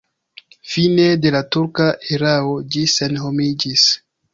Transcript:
Fine de la turka erao ĝi senhomiĝis.